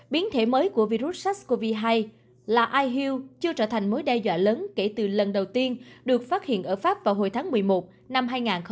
biến thể mới của virus sars cov hai là ihu chưa trở thành mối đe dọa lớn kể từ lần đầu tiên được phát hiện ở pháp vào hồi tháng một mươi một năm hai nghìn hai mươi